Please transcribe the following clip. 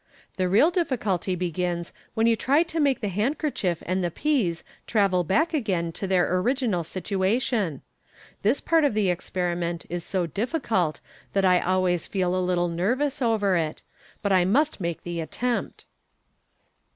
The real difficulty begins when you try to make the handkerchief and the peas travel back again to their original situation. This part of the experi ment is so difficult, that I always feel a little nervous over it, but I must make the attempt."